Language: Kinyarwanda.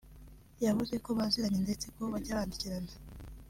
yavuze ko baziranye ndetse ko bajya bandikirana